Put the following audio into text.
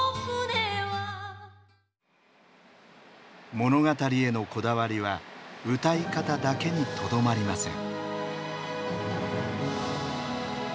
物語へのこだわりは歌い方だけにとどまりません。